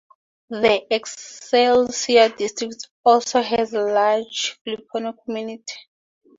The Excelsior District also has a large Filipino community.